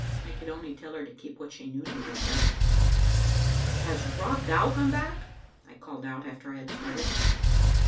" I could only tell her to keep what she knew to herself. " Has Rob Dow come back?" I called out after I had started.